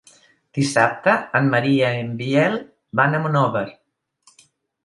Dissabte en Maria i en Biel van a Monòver.